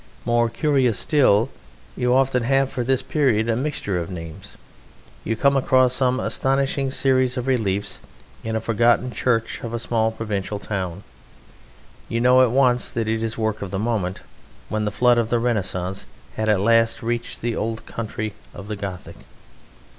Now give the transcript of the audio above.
More curious still, you often have for this period a mixture of names. You come across some astonishing series of reliefs in a forgotten church of a small provincial town. You know at once that it is work of the moment when the flood of the Renaissance had at last reached the old country of the Gothic.